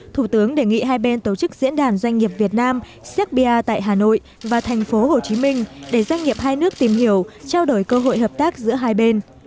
thủ tướng đề nghị hai bên tổ chức diễn đàn doanh nghiệp việt nam serbia tại hà nội và thành phố hồ chí minh để doanh nghiệp hai nước tìm hiểu trao đổi cơ hội hợp tác giữa hai bên